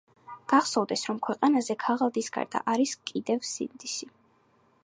„გახსოვდეს, რომ ქვეყანაზე ქაღალდის გარდა არის კიდევ სინდისი.“